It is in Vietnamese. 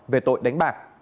về tội đánh bạc